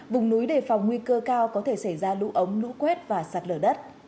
vùng núi đề phòng nguy cơ cao có thể xảy ra lũ ống lũ quét và sạt lở đất